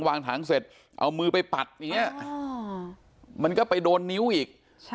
วางถังเสร็จเอามือไปปัดมันก็ไปโดนนิ้วอีก